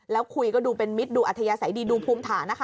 แล้วคุยก็ดูเป็นมิตรดูอัธยาศัยดีดูภูมิฐานนะคะ